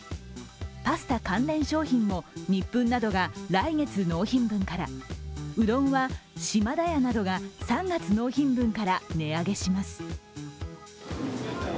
パスタ関連商品もニップンなどが来月納品分からうどんは、シマダヤなどが３月納品分から値上げします。